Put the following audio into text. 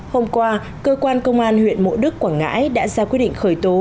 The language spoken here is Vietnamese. hôm qua cơ quan công an huyện mộ đức quảng ngãi đã ra quyết định khởi tố